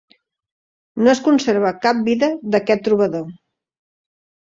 No es conserva cap vida d'aquest trobador.